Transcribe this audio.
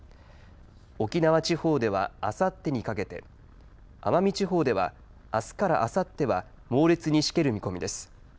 沖縄地方ではあさってにかけて、奄美地方ではあすからあさっては猛烈にしける見込みです。